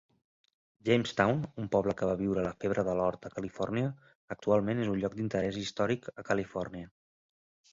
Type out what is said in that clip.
Jamestown, un poble que va viure la febre de l'or de Califòrnia, actualment és un lloc d'interès històric a Califòrnia.